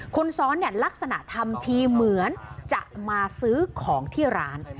คนซ้อนเนี่ยลักษณะทำทีเหมือนจะมาซื้อของที่ร้าน